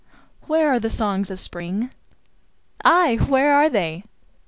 Where are the songs of Spring? Ay, where are they?